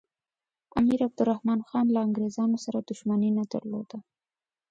امیر عبدالرحمن خان له انګریزانو سره دښمني نه درلوده.